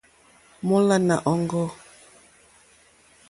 Mólánà òŋɡô.